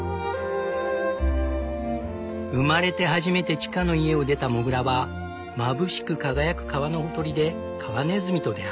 生まれて初めて地下の家を出たモグラはまぶしく輝く川のほとりでカワネズミと出会う。